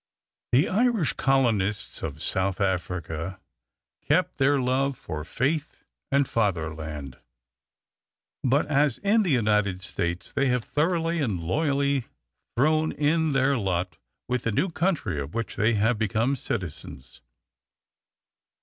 The Irish colonists of South Africa keep their love for faith and fatherland, but, as in the United States, they have thoroughly and loyally thrown in their lot with the new country of which they have become citizens.